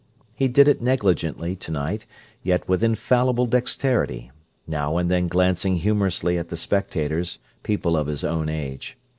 He did it negligently, tonight, yet with infallible dexterity, now and then glancing humorously at the spectators, people of his own age.